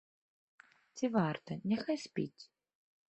Ці варта, няхай спіць.